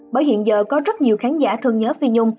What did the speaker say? bởi hiện giờ có rất nhiều khán giả thân nhớ phi nhung